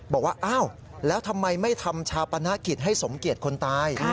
บอกว่าอ้าวแล้วทำไมไม่ทำชาปนกิจให้สมเกียจคนตาย